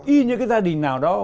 y như cái gia đình nào đó